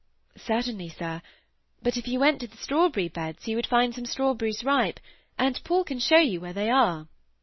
"Certainly, sir. But if you went to the strawberry beds you would find some strawberries ripe, and Paul can show you where they are."